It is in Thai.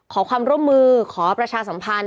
ขอความร่วมมือขอประชาสัมพันธ์